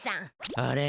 あれ？